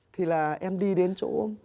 thì là em đi đến chỗ